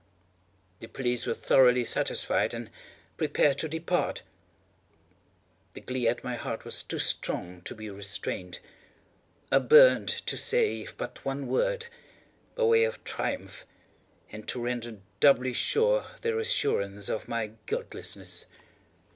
The police were thoroughly satisfied and prepared to depart. The glee at my heart was too strong to be restrained. I burned to say if but one word, by way of triumph, and to render doubly sure their assurance of my guiltlessness.